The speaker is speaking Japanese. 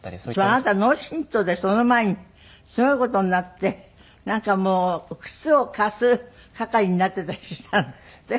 あなた脳振盪でその前にすごい事になってなんかもう靴を貸す係になっていたりしたんですって？